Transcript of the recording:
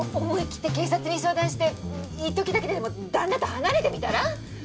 思いきって警察に相談していっときだけでも旦那と離れてみたら？